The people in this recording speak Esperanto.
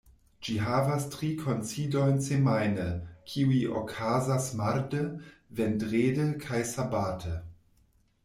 Ĝi havas tri kunsidojn semajne, kiuj okazas marde, vendrede kaj sabate.